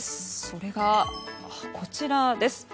それが、こちらです。